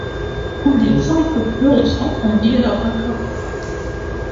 Un exemple plus récent en est la macarena.